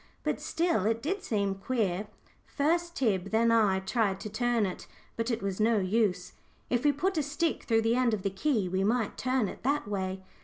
But still, it did seem queer. First Tib, then I, tried to turn it, but it was no use. "If we put a stick through the end of the key, we might turn it that way."